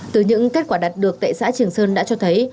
từ những kết quả đạt được tại xã trường sơn đã cho thấy